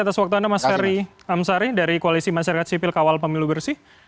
terima kasih pak tuhan pak ferry amsari dari koalisi masyarakat sipil kawal pemilu bersih